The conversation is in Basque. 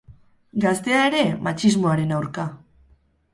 Gaztea ere, matxismoaren aurka!